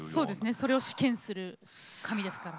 それを試験する紙ですから。